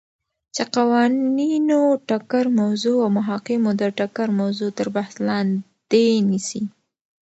چی قوانینو ټکر موضوع او محاکمو د ټکر موضوع تر بحث لاندی نیسی ،